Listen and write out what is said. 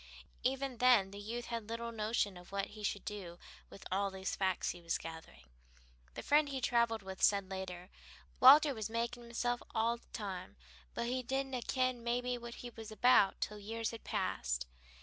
Even then the youth had little notion of what he should do with all the facts he was gathering. The friend he traveled with said later, "Walter was makin' himself a' the time, but he didna ken maybe what he was about till years had passed.